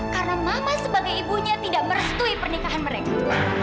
karena mama sebagai ibunya tidak merestui pernikahan mereka